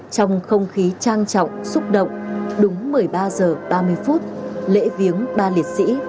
trong không khí trang trọng xúc động đúng một mươi ba h ba mươi phút lễ viếng ba liệt sĩ